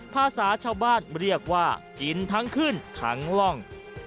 ภาษาชาวบ้านเรียกว่ากินทั้งขึ้นทั้งล่อง